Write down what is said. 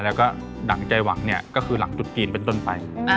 และถังใจหวังก็คือหลังจุดจีนเป็นต้นไป